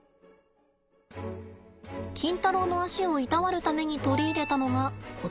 キンタロウの足をいたわるために取り入れたのがこちら。